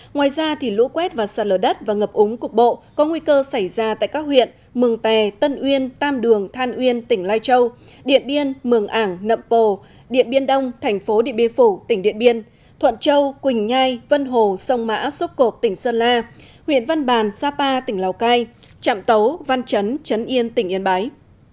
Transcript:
ngoài ra lũ quét và sạt lở đất và ngập úng cục bộ có nguy cơ xảy ra tại các huyện mường tè tân uyên tam đường than uyên tỉnh lai châu điện biên mường ảng nậm bồ điện biên đông thành phố điện biên phủ tỉnh điện biên thuận châu quỳnh nhai vân hồ sông mã xúc cột tỉnh sơn la huyện văn bàn sapa tỉnh lào cai trạm tấu văn trấn trấn yên tỉnh yên bái